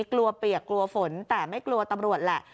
เปียกกลัวฝนแต่ไม่กลัวตำรวจแหละ